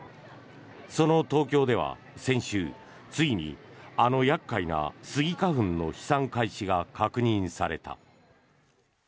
その東京では先週、ついにあの厄介なスギ花粉の飛散開始が確認された。